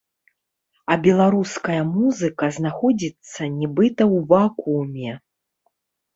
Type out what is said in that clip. А беларуская музыка знаходзіцца нібыта ў вакууме.